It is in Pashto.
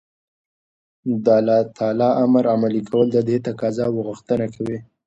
نو دالله تعالى امر عملي كول ددې تقاضا او غوښتنه كوي